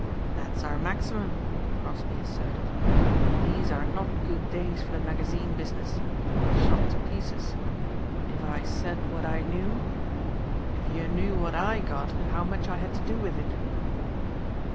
"That's our maximum," Crosbeigh asserted. "These are not good days for the magazine business. Shot to pieces. If I said what I knew. If you knew what I got and how much I had to do with it!"